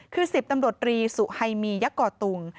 คือ๑๐ตำรวจรีสุไฮมียะก่อตุง